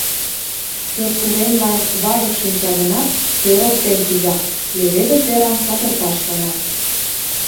Пӧрт уремлан важык шинча гынат, тӧр оптен кӱза, леведыш деран кадырташ шона.